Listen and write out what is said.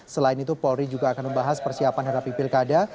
selain itu polri juga akan membahas persiapan hadapi pilkada